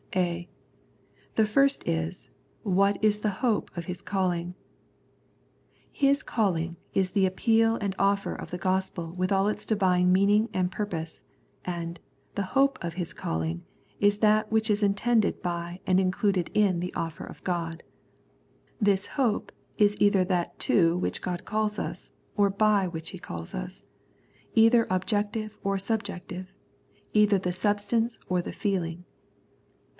(a) The first is " What is the hope of His calling." "His calling" is the appeal and offer of the Gospel with all its Divine mean ing and purpose, and " the hope of His calling " is that which is intended by and included in the offer of God. This " hope " is either that to which God calls us, or by which He calls ; either objective or sub jective ; either the substance or the feeling.